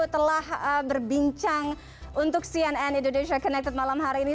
telah berbincang untuk cnn indonesia connected malam hari ini